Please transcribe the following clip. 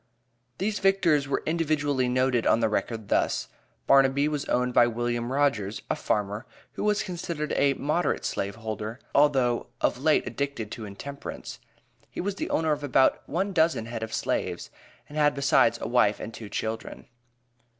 These victors were individually noted on the Record thus: Barnaby was owned by William Rogers, a farmer, who was considered a "moderate slaveholder," although of late "addicted to intemperance." He was the owner of about one "dozen head of slaves," and had besides a wife and two children.